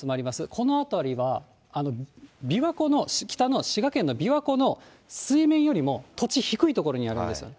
この辺りは琵琶湖の北の、滋賀県の琵琶湖の水面よりも、土地、低い所にあるんですよね。